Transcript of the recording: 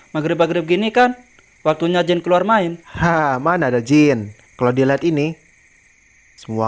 maghrib maghrib gini kan waktunya jin keluar main mana ada jin kalau dilihat ini semua